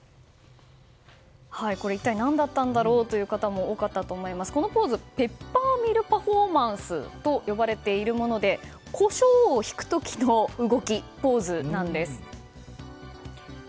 これ一体、何だったんだろうと思った方多かったと思いますがペッパーミルポーズと呼ばれているものでコショウをひく時の動きポーズなんです。